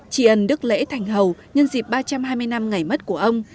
chỉ ẩn đức lễ thành hầu nhân dịp ba trăm hai mươi năm ngày mất của ông